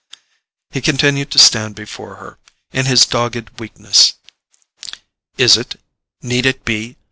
He continued to stand before her, in his dogged weakness. "Is it—need it be?